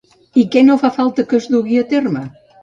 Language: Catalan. I què no fa falta que es dugui a terme?